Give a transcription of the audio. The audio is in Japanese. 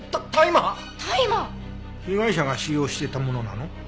被害者が使用してたものなの？